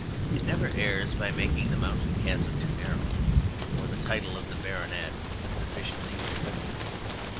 It never errs by making the mountain chasm too narrow or the title of the baronet insufficiently impressive.